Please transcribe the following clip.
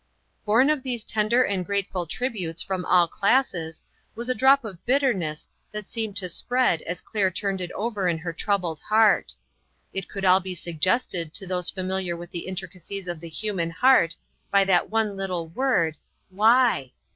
Born of these tender and grateful tributes from all classes, was a drop of bitterness that seemed to spread as Claire turned it over in her troubled heart. It could all be suggested to those familiar with the intrica cies of the human heart, by that one little word, Why